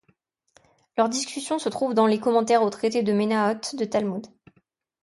Leur discussion se trouve dans les commentaires au traité de Mena’hot du Talmud.